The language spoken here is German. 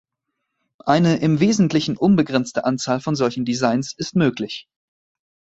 Eine im Wesentlichen unbegrenzte Anzahl von solchen Designs ist möglich.